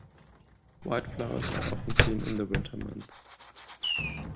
White flowers are often seen in the winter months.